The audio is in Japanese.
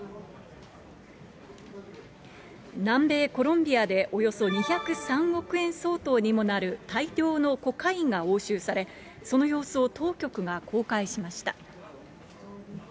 南米コロンビアで、およそ２０３億円相当にもなる大量のコカインが押収され、その様子を当局が公開しました。